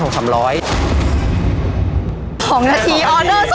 ๒นาทีออเดอร์๒๓๐๐